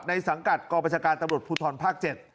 สังกัดกองประชาการตำรวจภูทรภาค๗